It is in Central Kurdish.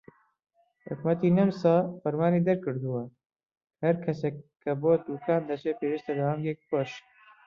حکومەتی نەمسا فەرمانی دەرکردووە کە هەر کەسێک کە بۆ دوکان دەچێت پێویستە دەمامکێک بپۆشێت.